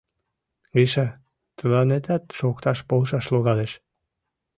Гриша, тыланетат шокташ полшаш логалеш.